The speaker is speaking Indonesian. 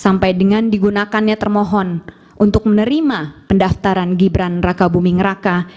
sampai dengan digunakannya termohon untuk menerima pendaftaran gibran raka buming raka